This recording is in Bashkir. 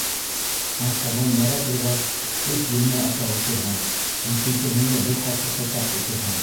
Артабан бара торғас, өс бүлмә аша үтерһең, дүртенсеһендә бер ҡарсыҡты тап итерһең.